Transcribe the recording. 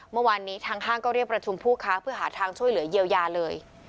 เมื่อวานนี้ทางห้างก็เรียกประชุมผู้ค้าเพื่อหาทางช่วยเหลือเยียวยาเลย